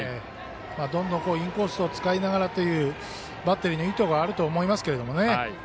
どんどんインコースを使いながらというバッテリーの意図があると思いますけどね。